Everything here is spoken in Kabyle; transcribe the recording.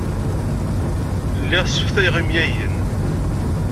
Lliɣ sseftayeɣ imyagen.